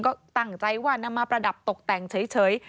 ก็ตั้งใจว่านำมาประดับตกแต่งเฉย